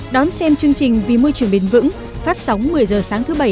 đón xem chương trình vì môi trường bền vững phát sóng một mươi h sáng thứ bảy